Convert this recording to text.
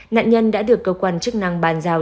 nạn nhân đã được cơ quan chức năng bàn giao